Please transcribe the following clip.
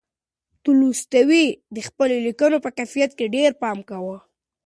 تولستوی د خپلو لیکنو په کیفیت کې ډېر پام کاوه.